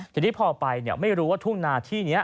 ทีนี้พอไปไม่รู้ว่าทุ่งนาที่นี้